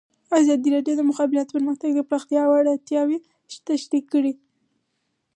ازادي راډیو د د مخابراتو پرمختګ د پراختیا اړتیاوې تشریح کړي.